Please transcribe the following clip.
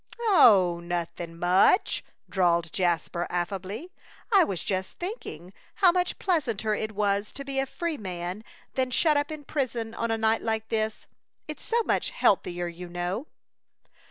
"Oh, nothing much," drawled Jasper, affably. "I was just thinking how much pleasanter it was to be a free man than shut up in prison on a night like this. It's so much healthier, you know."